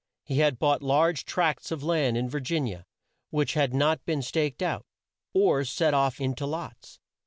He had bought large tracts of land in Vir gin i a, which had not been staked out, or set off in to lots.